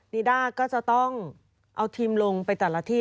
นิด้าก็จะต้องเอาทีมลงไปแต่ละที่